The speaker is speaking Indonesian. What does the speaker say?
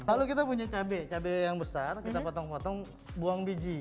lalu kita punya cabai cabai yang besar kita potong potong buang biji